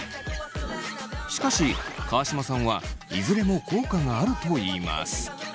しかし川島さんはいずれも効果があるといいます。